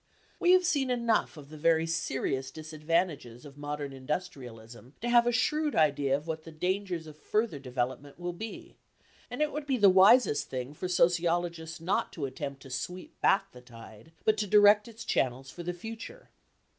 We have seen enough of the very serious disadvantages of modern industrialism to have a shrewd idea of what the dangers of further development will be, and it would be the wisest thing for sociologists not to attempt to sweep back the tide, but to direct its channels for the future.